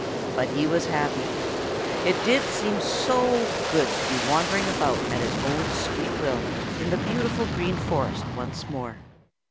But he was happy. It did seem so good to be wandering about at his own sweet will in the beautiful Green Forest once more.